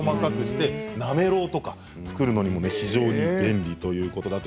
なめろうとか作るのにも非常に便利ということだと。